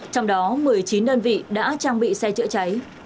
trong đó một mươi chín đơn vị đã trang bị xe trịa trái